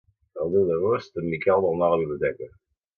El deu d'agost en Miquel vol anar a la biblioteca.